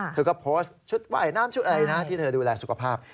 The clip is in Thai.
เธอก็โพสต์ชุดว่ายน้ำชุดอะไรนะที่เธอดูแลสุขภาพ